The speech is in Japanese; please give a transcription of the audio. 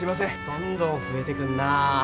どんどん増えてくんなぁ。